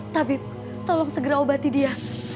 tabib tolong segera obati dia